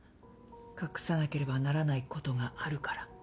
隠さなければならない事があるから。